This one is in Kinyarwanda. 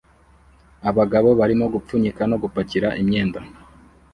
abagabo barimo gupfunyika no gupakira imyenda